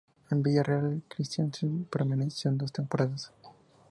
En Villarreal, Christiansen permaneció dos temporadas.